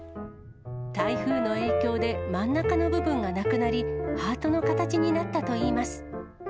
台風の影響で、真ん中の部分がなくなり、ハートの形になったといいます。